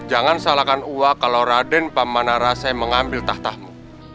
jangan salahkan uak kalau raden pamanarase mengambil tahtamu